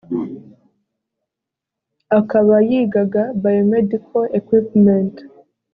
akaba yigaga biomedical equipment